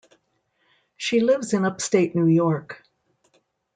She lives in upstate New York.